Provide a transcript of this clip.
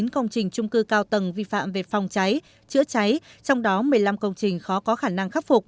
cảnh sát phòng cháy chữa cháy thành phố hà nội